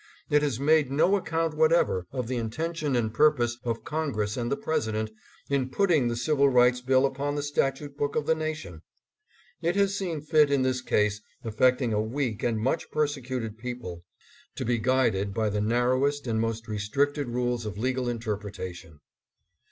It has made no account whatever of the intention and purpose of Congress and the President in putting the Civil Rights Bill upon the statute book of the nation. It has seen fit in this case affecting a weak and much persecuted people, to be guided by the narrowest and most restricted rules of legal interpretation.